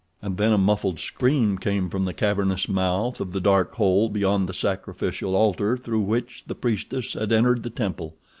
And then a muffled scream came from the cavernous mouth of the dark hole beyond the sacrificial altar through which the priestess had entered the temple.